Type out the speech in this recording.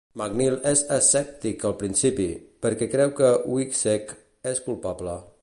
McNeal és escèptic al principi, perquè creu que Wiecek és culpable.